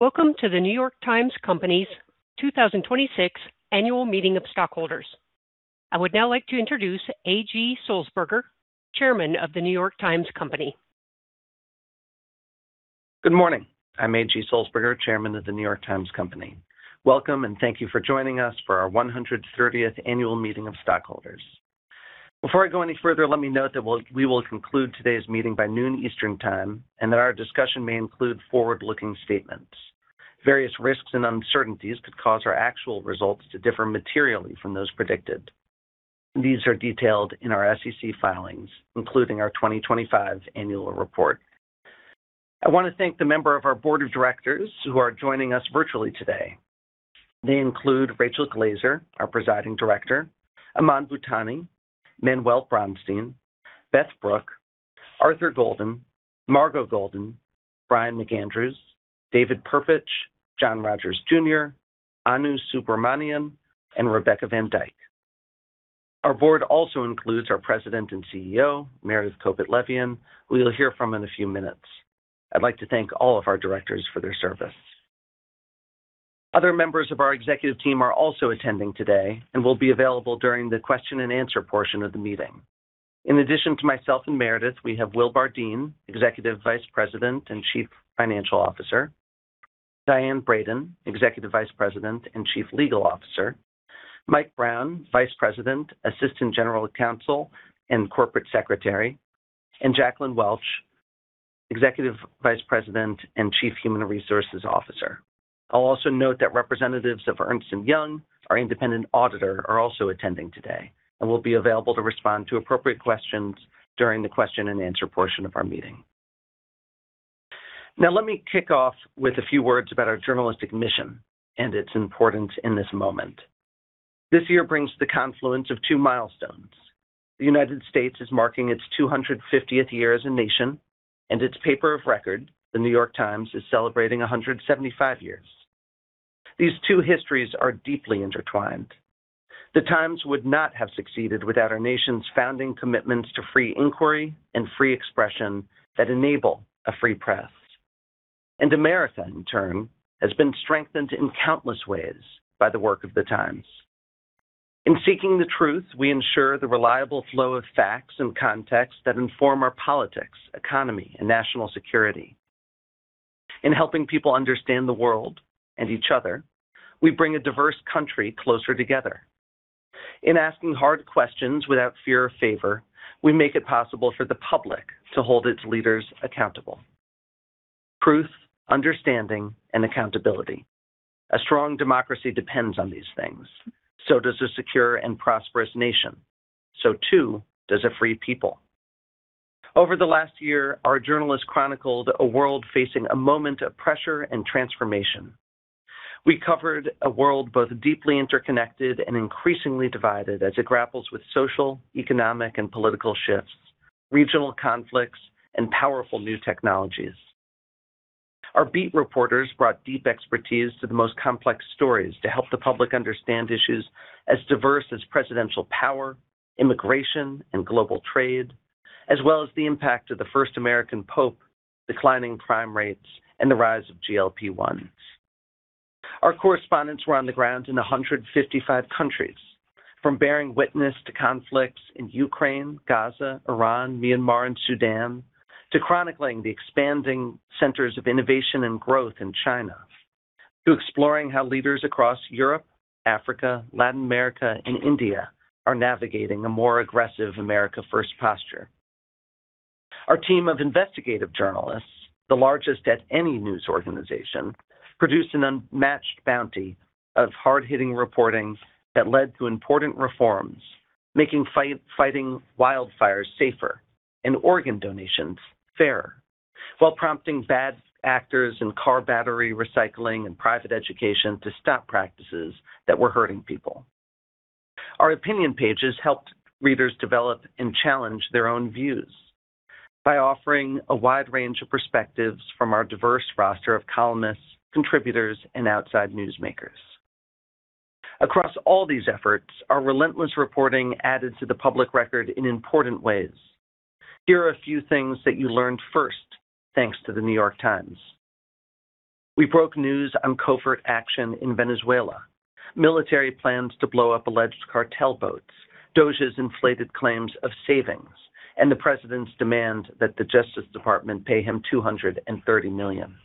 Welcome to The New York Times Company's 2026 annual meeting of stockholders. I would now like to introduce A.G. Sulzberger, Chairman of The New York Times Company. Good morning. I'm A.G. Sulzberger, Chairman of The New York Times Company. Welcome, and thank you for joining us for our 130th annual meeting of stockholders. Before I go any further, let me note that we will conclude today's meeting by noon Eastern Time, and that our discussion may include forward-looking statements. Various risks and uncertainties could cause our actual results to differ materially from those predicted. These are detailed in our SEC filings, including our 2025 annual report. I want to thank the members of our board of directors who are joining us virtually today. They include Rachel Glaser, our presiding director, Aman Bhutani, Manuel Bronstein, Beth Brooke, Arthur Golden, Margot Golden, Brian McAndrews, David Perpich, John Rogers Jr., Anu Subramanian, and Rebecca Van Dyck. Our board also includes our President and CEO, Meredith Kopit Levien, who you'll hear from in a few minutes. I'd like to thank all of our directors for their service. Other members of our executive team are also attending today and will be available during the question and answer portion of the meeting. In addition to myself and Meredith, we have Will Bardeen, Executive Vice President and Chief Financial Officer, Diane Brayton, Executive Vice President and Chief Legal Officer, Mike Brown, Vice President, Assistant General Counsel, and Assistant Secretary, and Jacqueline Welch, Executive Vice President and Chief Human Resources Officer. I'll also note that representatives of Ernst & Young, our independent auditor, are also attending today and will be available to respond to appropriate questions during the question and answer portion of our meeting. Now let me kick off with a few words about our journalistic mission and its importance in this moment. This year brings the confluence of two milestones. The United States is marking its 250th year as a nation, and its paper of record, The New York Times, is celebrating 175 years. These two histories are deeply intertwined. The Times would not have succeeded without our nation's founding commitments to free inquiry and free expression that enable a free press. America, in turn, has been strengthened in countless ways by the work of the Times. In seeking the truth, we ensure the reliable flow of facts and context that inform our politics, economy, and national security. In helping people understand the world and each other, we bring a diverse country closer together. In asking hard questions without fear or favor, we make it possible for the public to hold its leaders accountable. Truth, understanding, and accountability. A strong democracy depends on these things. So does a secure and prosperous nation. So too, does a free people. Over the last year, our journalists chronicled a world facing a moment of pressure and transformation. We covered a world both deeply interconnected and increasingly divided as it grapples with social, economic, and political shifts, regional conflicts, and powerful new technologies. Our beat reporters brought deep expertise to the most complex stories to help the public understand issues as diverse as presidential power, immigration, and global trade, as well as the impact of the first American pope, declining crime rates, and the rise of GLP-1s. Our correspondents were on the ground in 155 countries, from bearing witness to conflicts in Ukraine, Gaza, Iran, Myanmar, and Sudan, to chronicling the expanding centers of innovation and growth in China, to exploring how leaders across Europe, Africa, Latin America, and India are navigating a more aggressive America First posture. Our team of investigative journalists, the largest at any news organization, produced an unmatched bounty of hard-hitting reporting that led to important reforms, making fighting wildfires safer and organ donations fairer, while prompting bad actors in car battery recycling and private education to stop practices that were hurting people. Our opinion pages helped readers develop and challenge their own views by offering a wide range of perspectives from our diverse roster of columnists, contributors, and outside newsmakers. Across all these efforts, our relentless reporting added to the public record in important ways. Here are a few things that you learned first, thanks to The New York Times. We broke news on covert action in Venezuela, military plans to blow up alleged cartel boats, DOJ's inflated claims of savings, and the president's demand that the Justice Department pay him $230 million.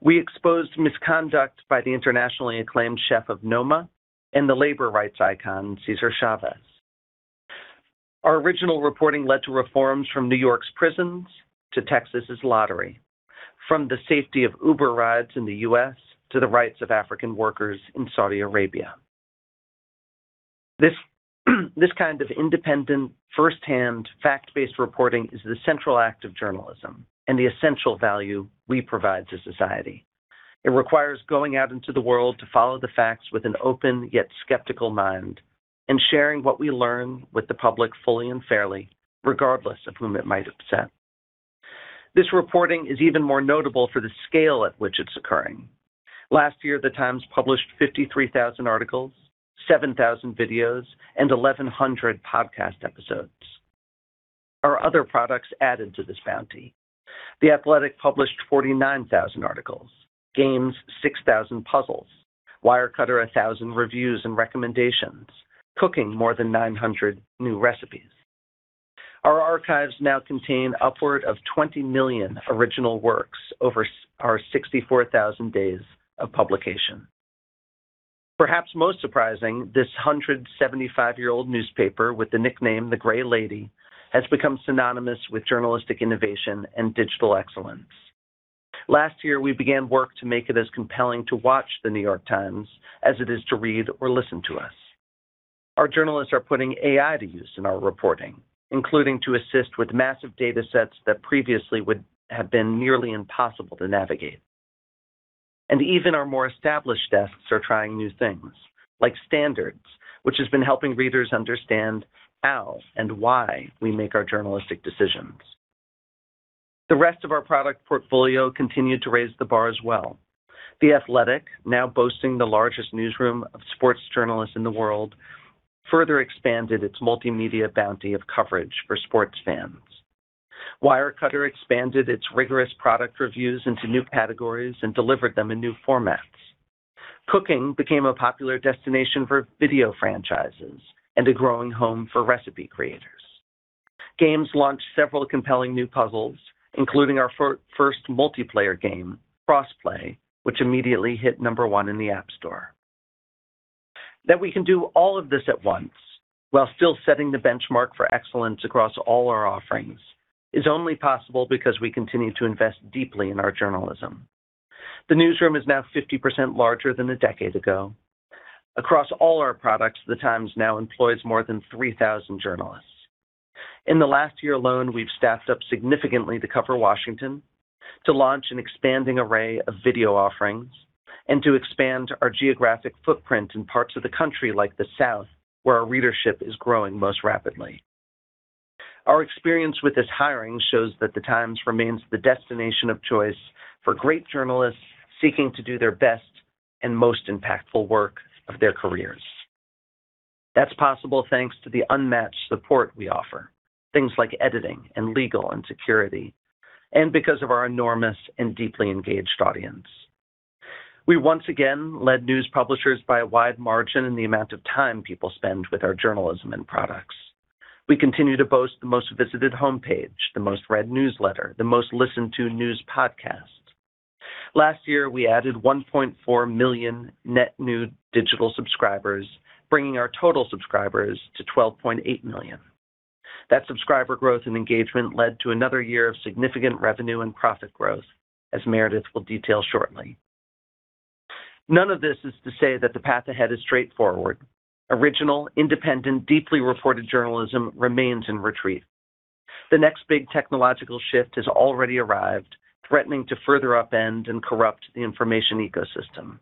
We exposed misconduct by the internationally acclaimed chef of Noma and the labor rights icon, Cesar Chavez. Our original reporting led to reforms from New York's prisons to Texas's lottery, from the safety of Uber rides in the U.S. to the rights of African workers in Saudi Arabia. This kind of independent, first-hand, fact-based reporting is the central act of journalism and the essential value we provide to society. It requires going out into the world to follow the facts with an open yet skeptical mind and sharing what we learn with the public fully and fairly, regardless of whom it might upset. This reporting is even more notable for the scale at which it's occurring. Last year, The Times published 53,000 articles, 7,000 videos, and 1,100 podcast episodes. Our other products added to this bounty. The Athletic published 49,000 articles. Games, 6,000 puzzles. Wirecutter, 1,000 reviews and recommendations. Cooking, more than 900 new recipes. Our archives now contain upward of 20 million original works over our 64,000 days of publication. Perhaps most surprising, this 175-year-old newspaper with the nickname The Gray Lady has become synonymous with journalistic innovation and digital excellence. Last year, we began work to make it as compelling to watch The New York Times as it is to read or listen to us. Our journalists are putting AI to use in our reporting, including to assist with massive data sets that previously would have been nearly impossible to navigate. Even our more established desks are trying new things, like Standards, which has been helping readers understand how and why we make our journalistic decisions. The rest of our product portfolio continued to raise the bar as well. The Athletic, now boasting the largest newsroom of sports journalists in the world, further expanded its multimedia bounty of coverage for sports fans. Wirecutter expanded its rigorous product reviews into new categories and delivered them in new formats. Cooking became a popular destination for video franchises and a growing home for recipe creators. Games launched several compelling new puzzles, including our first multiplayer game, Crossplay, which immediately hit No. 1 in the App Store. That we can do all of this at once while still setting the benchmark for excellence across all our offerings is only possible because we continue to invest deeply in our journalism. The newsroom is now 50% larger than a decade ago. Across all our products, the Times now employs more than 3,000 journalists. In the last year alone, we've staffed up significantly to cover Washington, to launch an expanding array of video offerings, and to expand our geographic footprint in parts of the country like the South, where our readership is growing most rapidly. Our experience with this hiring shows that The Times remains the destination of choice for great journalists seeking to do their best and most impactful work of their careers. That's possible thanks to the unmatched support we offer, things like editing and legal and security, and because of our enormous and deeply engaged audience. We once again led news publishers by a wide margin in the amount of time people spend with our journalism and products. We continue to boast the most visited homepage, the most read newsletter, the most listened to news podcast. Last year, we added 1.4 million net new digital subscribers, bringing our total subscribers to 12.8 million. That subscriber growth and engagement led to another year of significant revenue and profit growth, as Meredith will detail shortly. None of this is to say that the path ahead is straightforward. Original, independent, deeply reported journalism remains in retreat. The next big technological shift has already arrived, threatening to further upend and corrupt the information ecosystem.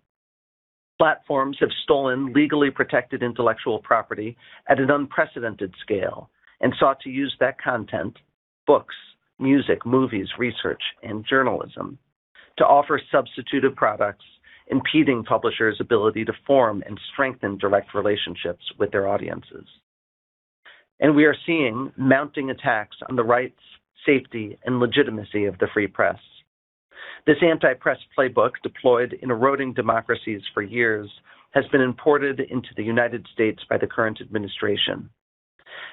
Platforms have stolen legally protected intellectual property at an unprecedented scale and sought to use that content, books, music, movies, research, and journalism to offer substitutive products impeding publishers' ability to form and strengthen direct relationships with their audiences. We are seeing mounting attacks on the rights, safety, and legitimacy of the free press. This anti-press playbook, deployed in eroding democracies for years, has been imported into the United States by the current administration.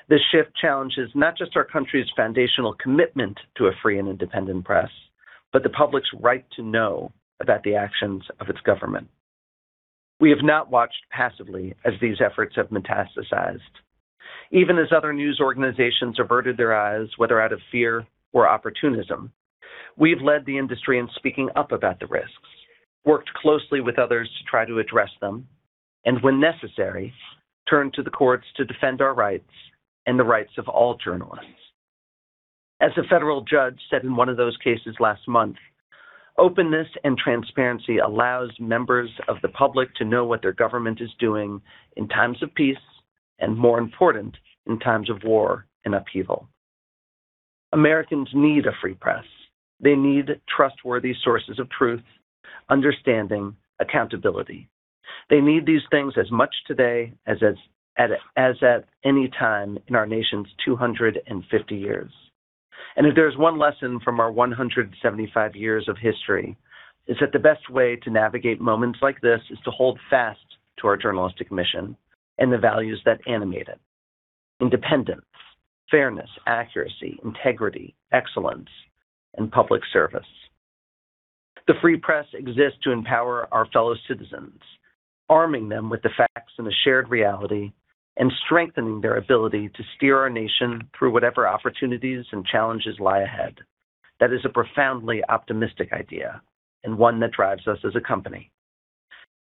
This shift challenges not just our country's foundational commitment to a free and independent press, but the public's right to know about the actions of its government. We have not watched passively as these efforts have metastasized. Even as other news organizations averted their eyes, whether out of fear or opportunism, we've led the industry in speaking up about the risks, worked closely with others to try to address them, and when necessary, turned to the courts to defend our rights and the rights of all journalists. As a federal judge said in one of those cases last month, "Openness and transparency allows members of the public to know what their government is doing in times of peace, and more important, in times of war and upheaval." Americans need a free press. They need trustworthy sources of truth, understanding, accountability. They need these things as much today as at any time in our nation's 250 years. If there's one lesson from our 175 years of history, it's that the best way to navigate moments like this is to hold fast to our journalistic mission and the values that animate it, independence, fairness, accuracy, integrity, excellence, and public service. The free press exists to empower our fellow citizens, arming them with the facts and the shared reality, and strengthening their ability to steer our nation through whatever opportunities and challenges lie ahead. That is a profoundly optimistic idea and one that drives us as a company.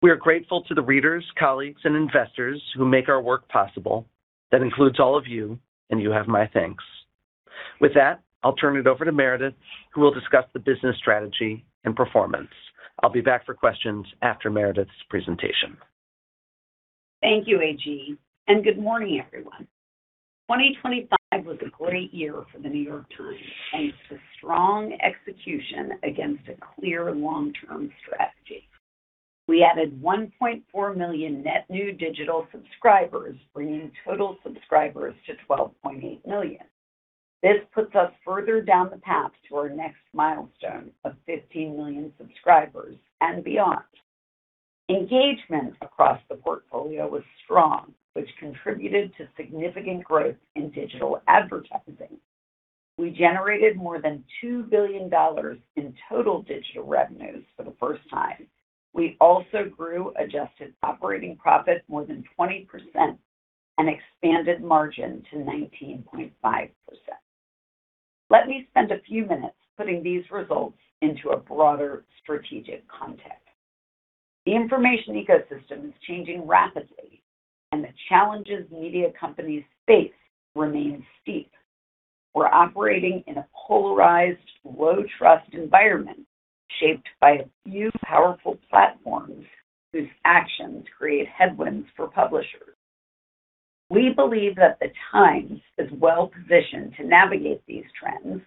We are grateful to the readers, colleagues, and investors who make our work possible. That includes all of you, and you have my thanks. With that, I'll turn it over to Meredith, who will discuss the business strategy and performance. I'll be back for questions after Meredith's presentation. Thank you, A.G., and good morning, everyone. 2025 was a great year for The New York Times, thanks to strong execution against a clear long-term strategy. We added 1.4 million net new digital subscribers, bringing total subscribers to 12.8 million. This puts us further down the path to our next milestone of 15 million subscribers and beyond. Engagement across the portfolio was strong, which contributed to significant growth in digital advertising. We generated more than $2 billion in total digital revenues for the first time. We also grew adjusted operating profit more than 20% and expanded margin to 19.5%. Let me spend a few minutes putting these results into a broader strategic context. The information ecosystem is changing rapidly, and the challenges media companies face remain steep. We're operating in a polarized, low-trust environment, shaped by a few powerful platforms whose actions create headwinds for publishers. We believe that the Times is well-positioned to navigate these trends,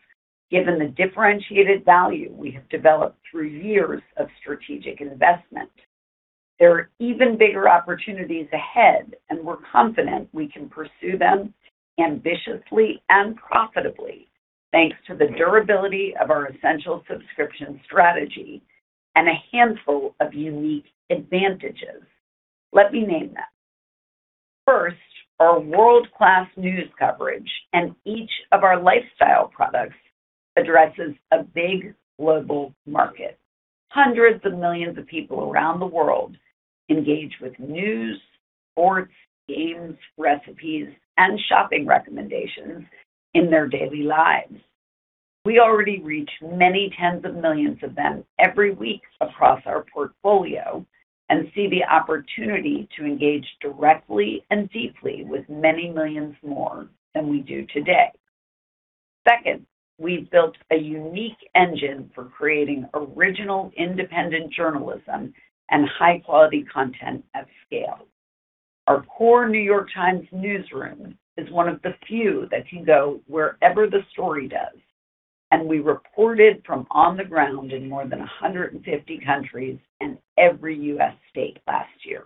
given the differentiated value we have developed through years of strategic investment. There are even bigger opportunities ahead, and we're confident we can pursue them ambitiously and profitably, thanks to the durability of our essential subscription strategy and a handful of unique advantages. Let me name them. First, our world-class news coverage and each of our lifestyle products addresses a big global market. Hundreds of millions of people around the world engage with news, sports, games, recipes, and shopping recommendations in their daily lives. We already reach many tens of millions of them every week across our portfolio and see the opportunity to engage directly and deeply with many millions more than we do today. Second, we've built a unique engine for creating original, independent journalism and high-quality content at scale. Our core New York Times newsroom is one of the few that can go wherever the story does, and we reported from on the ground in more than 150 countries and every U.S. state last year.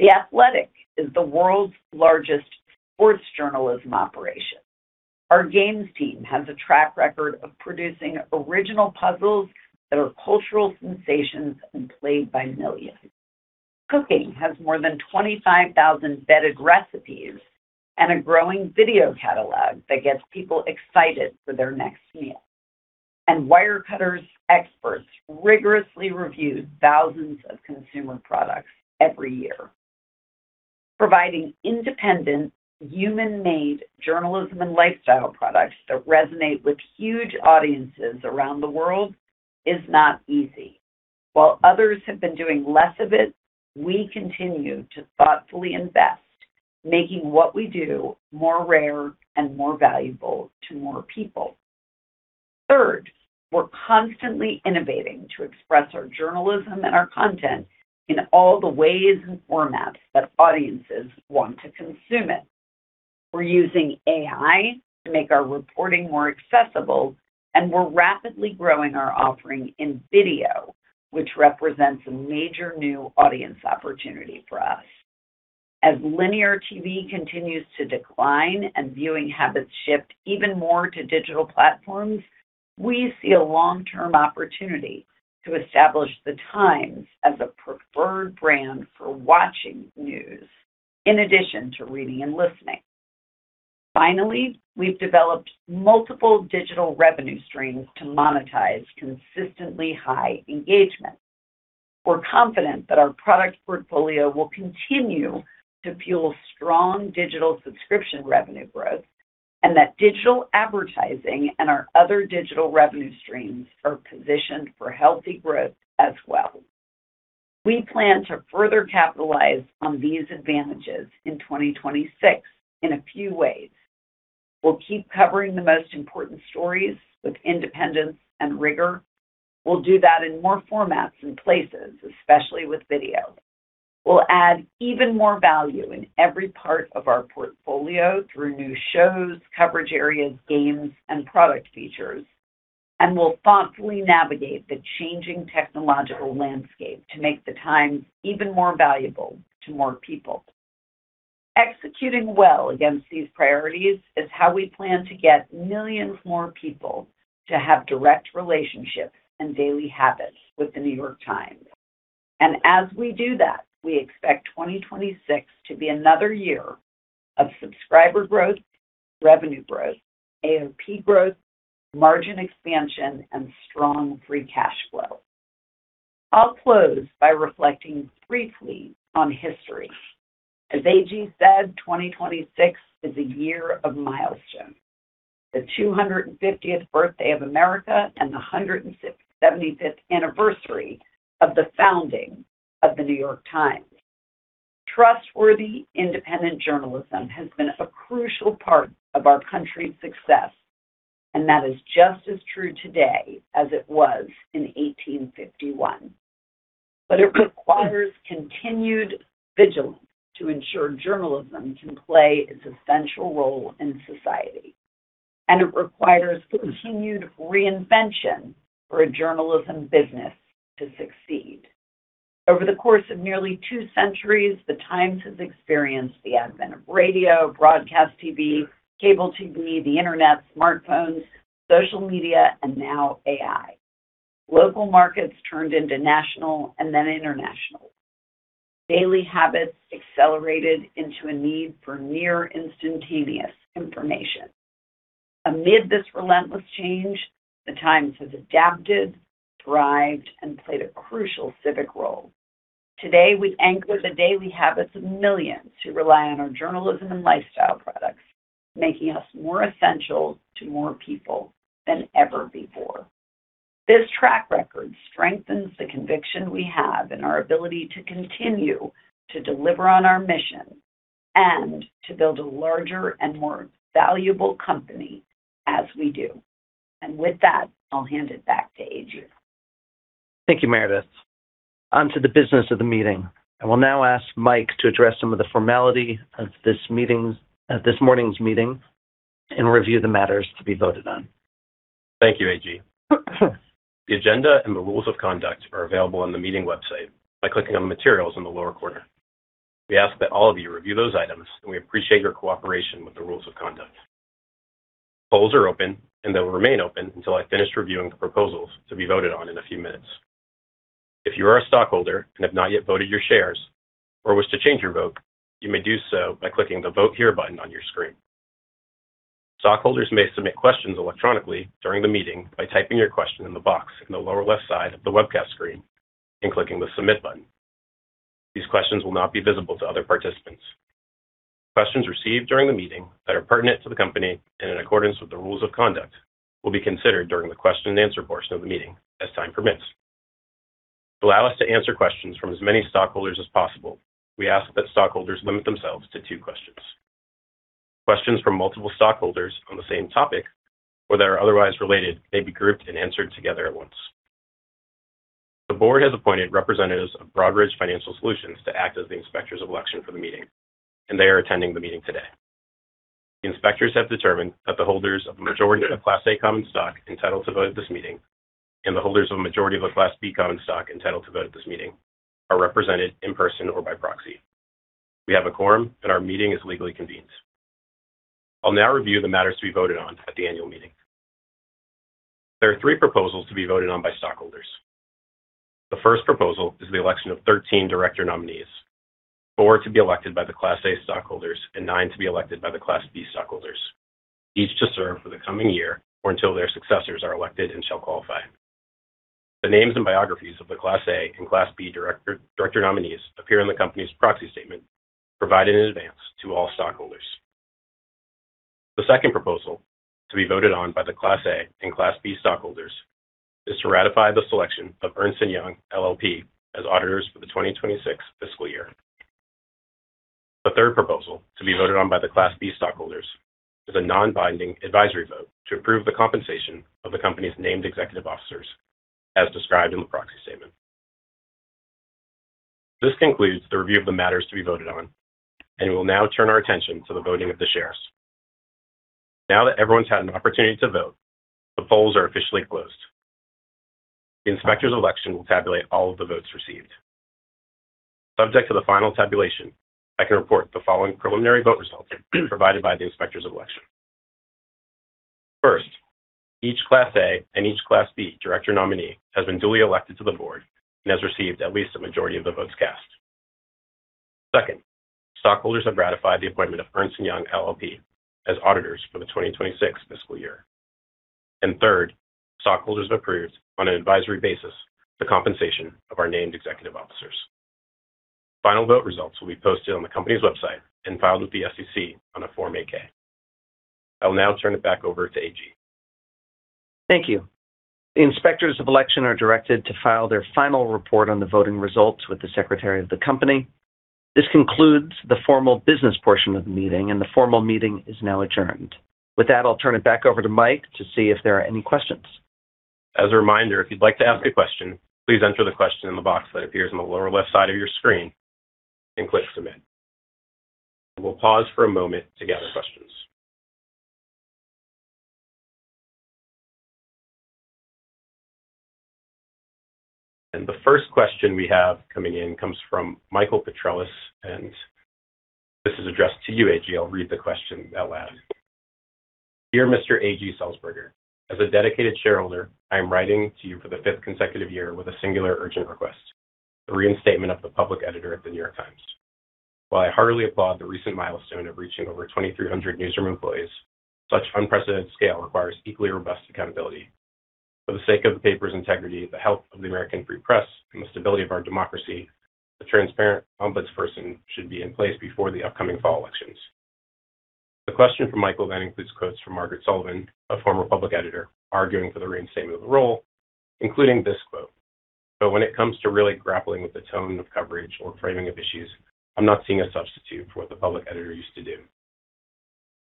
The Athletic is the world's largest sports journalism operation. Our Games team has a track record of producing original puzzles that are cultural sensations and played by millions. Cooking has more than 25,000 vetted recipes and a growing video catalog that gets people excited for their next meal. Wirecutter's experts rigorously review thousands of consumer products every year. Providing independent, human-made journalism and lifestyle products that resonate with huge audiences around the world is not easy. While others have been doing less of it, we continue to thoughtfully invest, making what we do more rare and more valuable to more people. Third, we're constantly innovating to express our journalism and our content in all the ways and formats that audiences want to consume it. We're using AI to make our reporting more accessible, and we're rapidly growing our offering in video, which represents a major new audience opportunity for us. As linear TV continues to decline and viewing habits shift even more to digital platforms, we see a long-term opportunity to establish The Times as a preferred brand for watching news, in addition to reading and listening. Finally, we've developed multiple digital revenue streams to monetize consistently high engagement. We're confident that our product portfolio will continue to fuel strong digital subscription revenue growth and that digital advertising and our other digital revenue streams are positioned for healthy growth as well. We plan to further capitalize on these advantages in 2026 in a few ways. We'll keep covering the most important stories with independence and rigor. We'll do that in more formats and places, especially with video. We'll add even more value in every part of our portfolio through new shows, coverage areas, games, and product features. We'll thoughtfully navigate the changing technological landscape to make The Times even more valuable to more people. Executing well against these priorities is how we plan to get millions more people to have direct relationships and daily habits with The New York Times. As we do that, we expect 2026 to be another year of subscriber growth, revenue growth, AOP growth, margin expansion, and strong free cash flow. I'll close by reflecting briefly on history. As A.G. said, 2026 is a year of milestones. The 250th birthday of America and the 175th anniversary of the founding of The New York Times. Trustworthy, independent journalism has been a crucial part of our country's success, and that is just as true today as it was in 1851. It requires continued vigilance to ensure journalism can play its essential role in society. It requires continued reinvention for a journalism business to succeed. Over the course of nearly two centuries, "The Times" has experienced the advent of radio, broadcast TV, cable TV, the internet, smartphones, social media, and now AI. Local markets turned into national and then international. Daily habits accelerated into a need for near-instantaneous information. Amid this relentless change, "The Times" has adapted, thrived, and played a crucial civic role. Today, we anchor the daily habits of millions who rely on our journalism and lifestyle products, making us more essential to more people than ever before. This track record strengthens the conviction we have in our ability to continue to deliver on our mission and to build a larger and more valuable company as we do. With that, I'll hand it back to A.G. Thank you, Meredith. On to the business of the meeting. I will now ask Mike to address some of the formality of this morning's meeting and review the matters to be voted on. Thank you, A.G. The agenda and the rules of conduct are available on the meeting website by clicking on Materials in the lower corner. We ask that all of you review those items, and we appreciate your cooperation with the rules of conduct. Polls are open, and they will remain open until I finish reviewing the proposals to be voted on in a few minutes. If you are a stockholder and have not yet voted your shares or wish to change your vote, you may do so by clicking the Vote Here button on your screen. Stockholders may submit questions electronically during the meeting by typing your question in the box in the lower left side of the webcast screen and clicking the Submit button. These questions will not be visible to other participants. Questions received during the meeting that are pertinent to the company and in accordance with the rules of conduct will be considered during the question and answer portion of the meeting as time permits. To allow us to answer questions from as many stockholders as possible, we ask that stockholders limit themselves to two questions. Questions from multiple stockholders on the same topic or that are otherwise related may be grouped and answered together at once. The board has appointed representatives of Broadridge Financial Solutions to act as the inspectors of election for the meeting, and they are attending the meeting today. The inspectors have determined that the holders of the majority of Class A common stock entitled to vote at this meeting and the holders of a majority of the Class B common stock entitled to vote at this meeting are represented in person or by proxy. We have a quorum, and our meeting is legally convened. I'll now review the matters to be voted on at the annual meeting. There are three proposals to be voted on by stockholders. The first proposal is the election of 13 director nominees, four to be elected by the Class A stockholders and nine to be elected by the Class B stockholders, each to serve for the coming year or until their successors are elected and shall qualify. The names and biographies of the Class A and Class B director nominees appear in the company's proxy statement provided in advance to all stockholders. The second proposal to be voted on by the Class A and Class B stockholders is to ratify the selection of Ernst & Young LLP as auditors for the 2026 fiscal year. The third proposal to be voted on by the Class B stockholders is a non-binding advisory vote to approve the compensation of the company's named executive officers as described in the proxy statement. This concludes the review of the matters to be voted on, and we will now turn our attention to the voting of the shares. Now that everyone's had an opportunity to vote, the polls are officially closed. The inspectors of election will tabulate all of the votes received. Subject to the final tabulation, I can report the following preliminary vote results provided by the inspectors of election. First, each Class A and each Class B director nominee has been duly elected to the board and has received at least a majority of the votes cast. Second, stockholders have ratified the appointment of Ernst & Young LLP as auditors for the 2026 fiscal year. Third, stockholders have approved, on an advisory basis, the compensation of our named executive officers. Final vote results will be posted on the company's website and filed with the SEC on a Form 8-K. I will now turn it back over to A.G. Thank you. The inspectors of election are directed to file their final report on the voting results with the Secretary of the company. This concludes the formal business portion of the meeting, and the formal meeting is now adjourned. With that, I'll turn it back over to Mike to see if there are any questions. As a reminder, if you'd like to ask a question, please enter the question in the box that appears in the lower left side of your screen and click Submit. We'll pause for a moment to gather questions. The first question we have coming in comes from Michael Petrelis, and this is addressed to you, A.G. I'll read the question out loud. "Dear Mr. A.G. Sulzberger, as a dedicated shareholder, I am writing to you for the fifth consecutive year with a singular urgent request, the reinstatement of the public editor of The New York Times. While I heartily applaud the recent milestone of reaching over 2,300 newsroom employees, such unprecedented scale requires equally robust accountability. For the sake of the paper's integrity, the health of the American free press, and the stability of our democracy, a transparent ombudsperson should be in place before the upcoming fall elections. The question from Michael then includes quotes from Margaret Sullivan, a former public editor, arguing for the reinstatement of the role, including this quote, "But when it comes to really grappling with the tone of coverage or framing of issues, I'm not seeing a substitute for what the public editor used to do."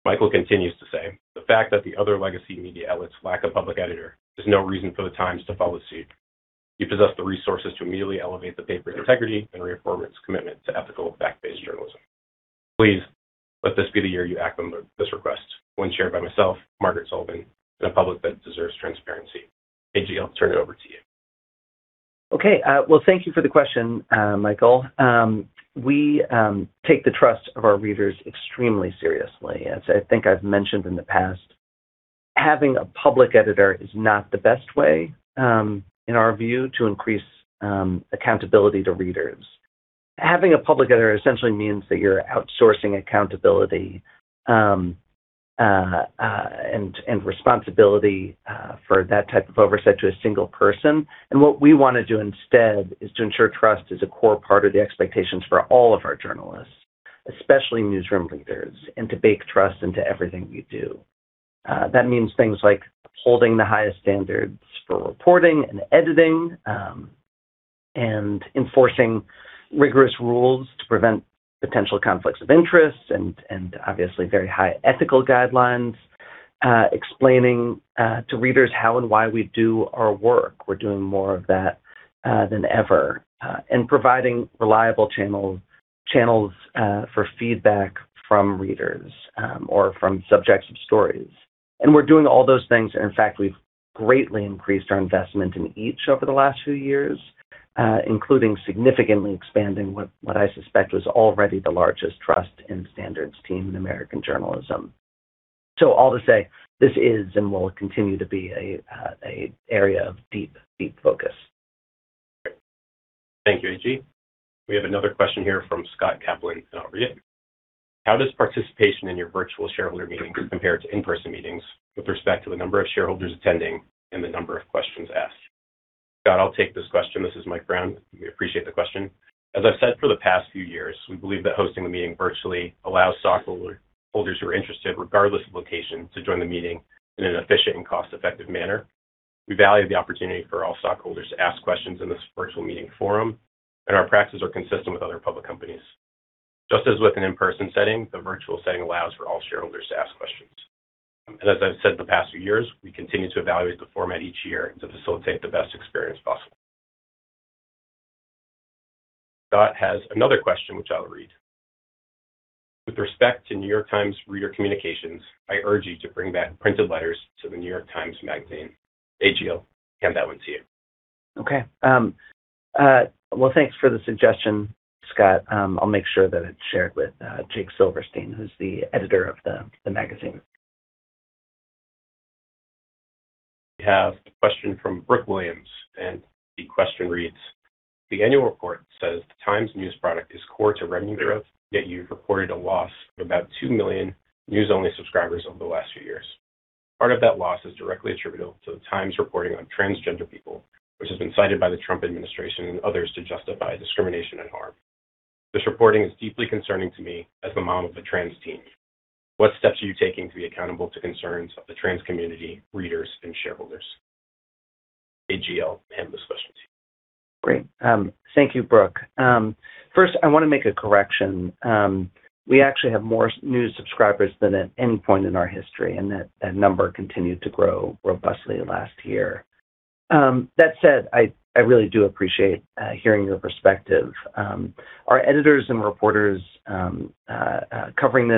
Michael continues to say, "The fact that the other legacy media outlets lack a public editor is no reason for 'The Times' to follow suit." You possess the resources to immediately elevate the paper's integrity and reaffirm its commitment to ethical, fact-based journalism. Please, let this be the year you act on this request, one shared by myself, Margaret Sullivan, and a public that deserves transparency. A.G., I'll turn it over to you. Okay. Well, thank you for the question, Michael. We take the trust of our readers extremely seriously. As I think I've mentioned in the past, having a public editor is not the best way, in our view, to increase accountability to readers. Having a public editor essentially means that you're outsourcing accountability and responsibility for that type of oversight to a single person. What we want to do instead is to ensure trust is a core part of the expectations for all of our journalists, especially newsroom leaders, and to bake trust into everything we do. That means things like holding the highest standards for reporting and editing, and enforcing rigorous rules to prevent potential conflicts of interest and obviously very high ethical guidelines, explaining to readers how and why we do our work. We're doing more of that than ever, and providing reliable channels for feedback from readers or from subjects of stories. We're doing all those things, and in fact, we've greatly increased our investment in each over the last few years, including significantly expanding what I suspect was already the largest Trust and Standards team in American journalism. All to say, this is and will continue to be an area of deep focus. Thank you, A.G. We have another question here from Scott Kalben in Alberta. "How does participation in your virtual shareholder meetings compare to in-person meetings with respect to the number of shareholders attending and the number of questions asked?" Scott, I'll take this question. This is Michael Brown. We appreciate the question. As I've said for the past few years, we believe that hosting the meeting virtually allows stockholders who are interested, regardless of location, to join the meeting in an efficient and cost-effective manner. We value the opportunity for all stockholders to ask questions in this virtual meeting forum, and our practices are consistent with other public companies. Just as with an in-person setting, the virtual setting allows for all shareholders to ask questions. As I've said the past few years, we continue to evaluate the format each year to facilitate the best experience possible. Scott has another question, which I'll read. "With respect to New York Times reader communications, I urge you to bring back printed letters to The New York Times Magazine." A.G., I'll hand that one to you. Okay. Well, thanks for the suggestion, Scott. I'll make sure that it's shared with Jake Silverstein, who's the editor of the magazine. We have a question from Brooke Williams, and the question reads, "The annual report says the Times news product is core to revenue growth, yet you've reported a loss of about 2 million news-only subscribers over the last few years. Part of that loss is directly attributable to The Times' reporting on transgender people, which has been cited by the Trump administration and others to justify discrimination and harm. This reporting is deeply concerning to me as the mom of a trans teen. What steps are you taking to be accountable to concerns of the trans community, readers, and shareholders?" A.G., I'll hand this question to you. Great. Thank you, Brooke. First, I want to make a correction. We actually have more news subscribers than at any point in our history, and that number continued to grow robustly last year. That said, I really do appreciate hearing your perspective. Our editors and reporters covering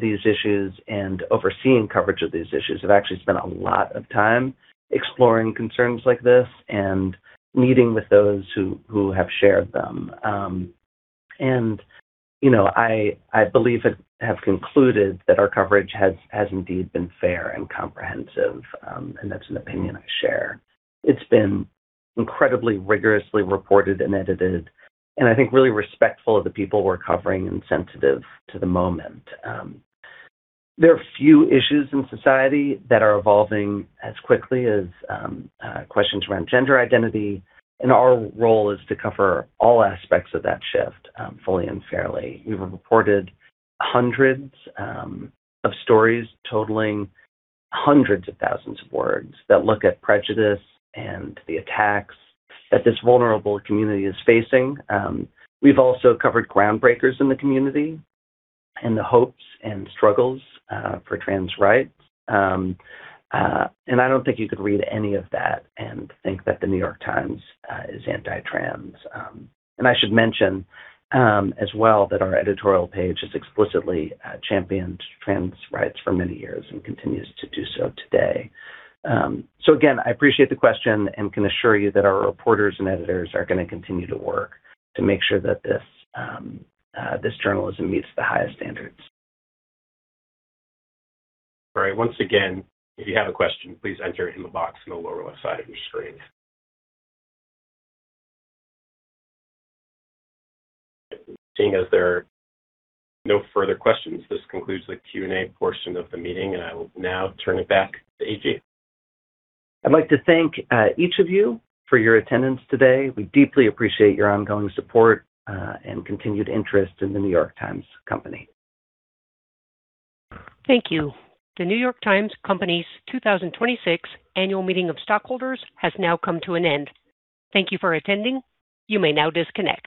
these issues and overseeing coverage of these issues have actually spent a lot of time exploring concerns like this and meeting with those who have shared them. I believe and have concluded that our coverage has indeed been fair and comprehensive, and that's an opinion I share. It's been incredibly rigorously reported and edited, and I think really respectful of the people we're covering and sensitive to the moment. There are few issues in society that are evolving as quickly as questions around gender identity, and our role is to cover all aspects of that shift fully and fairly. We have reported hundreds of stories totaling hundreds of thousands of words that look at prejudice and the attacks that this vulnerable community is facing. We've also covered groundbreakers in the community and the hopes and struggles for trans rights. I don't think you could read any of that and think that The New York Times is anti-trans. I should mention as well that our editorial page has explicitly championed trans rights for many years and continues to do so today. Again, I appreciate the question and can assure you that our reporters and editors are going to continue to work to make sure that this journalism meets the highest standards. All right. Once again, if you have a question, please enter it in the box on the lower left side of your screen. Seeing as there are no further questions, this concludes the Q&A portion of the meeting, and I will now turn it back to A.G. I'd like to thank each of you for your attendance today. We deeply appreciate your ongoing support and continued interest in The New York Times Company. Thank you. The New York Times Company's 2026 Annual Meeting of Stockholders has now come to an end. Thank you for attending. You may now disconnect.